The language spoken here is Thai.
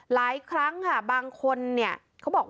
หลายครั้งค่ะบางคนเนี่ยเขาบอกว่า